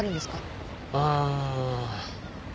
ああ。